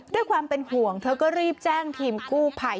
ด้วยความเป็นห่วงเธอก็รีบแจ้งทีมกู้ภัย